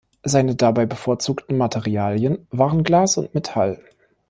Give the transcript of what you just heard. Seine dabei bevorzugten Materialien waren Glas und Metall.